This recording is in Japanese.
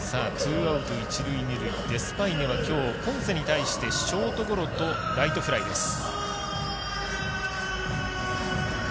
デスパイネはきょう、ポンセに対してショートゴロとライトフライです。